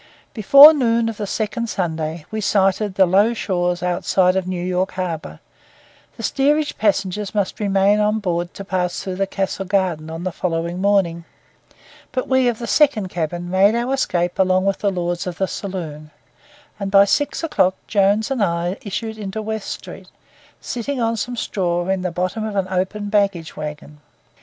Before noon of the second Sunday we sighted the low shores outside of New York harbour; the steerage passengers must remain on board to pass through Castle Garden on the following morning; but we of the second cabin made our escape along with the lords of the saloon; and by six o'clock Jones and I issued into West Street, sitting on some straw in the bottom of an open baggage wagon.